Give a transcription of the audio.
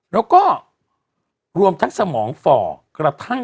แล้วก็รวมทั้งสมองฝ่อกระทั่ง